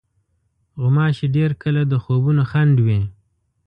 غوماشې ډېر کله د خوبونو خنډ وي.